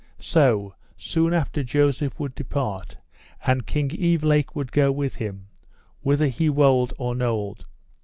So, soon after Joseph would depart, and King Evelake would go with him, whether he wold or nold.